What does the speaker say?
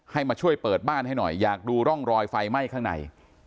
มาช่วยเปิดบ้านให้หน่อยอยากดูร่องรอยไฟไหม้ข้างใน